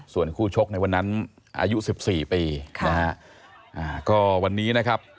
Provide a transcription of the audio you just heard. ส่วนคู่ชกในวันนั้นอายุ๑๔ปี